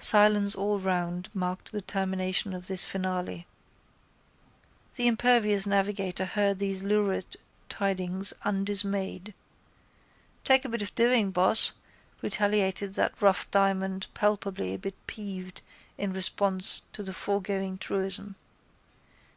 Silence all round marked the termination of his finale. The impervious navigator heard these lurid tidings, undismayed. —Take a bit of doing, boss, retaliated that rough diamond palpably a bit peeved in response to the foregoing truism.